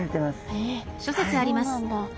へえそうなんだ。